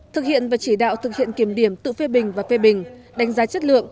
thực hiện và chỉ đạo thực hiện kiểm điểm tự phê bình và phê bình đánh giá chất lượng